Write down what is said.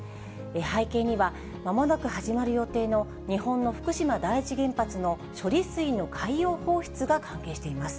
背景にはまもなく始まる予定の日本の福島第一原発の処理水の海洋放出が関係しています。